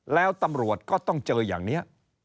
แล้วตำรวจก็ต้องเจออย่างนี้